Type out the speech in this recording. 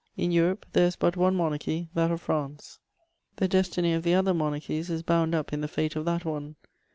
In Europe there is but one monarchy, that of France; the destiny of the other monarchies is bound up in the fate of that one.